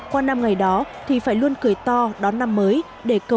qua năm ngày đó thì phải luôn cười to đón năm mới đừng cười